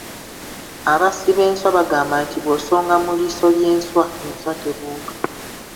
Abassi b’enswa bagamba nti bw’osonga mu liiso ly’enswa, enswa tebuuka.